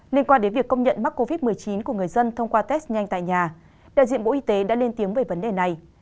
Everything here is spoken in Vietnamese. liên quan đến việc công nhận mắc covid một mươi chín của người dân thông qua test nhanh tại nhà đại diện bộ y tế đã lên tiếng về vấn đề này